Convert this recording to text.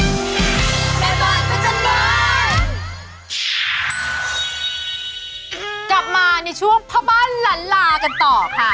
กลับมาในช่วงพ่อบ้านล้านลากันต่อค่ะ